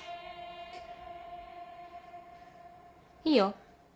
いいよ。